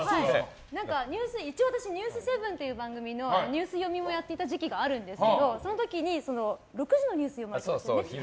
私「ニュース７」という番組のニュース読みもやっていた時期があるんですけどその時に６時のニュース読まれていたんですよね。